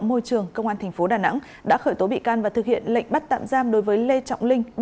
môi trường công an tp đà nẵng đã khởi tố bị can và thực hiện lệnh bắt tạm giam đối với lê trọng linh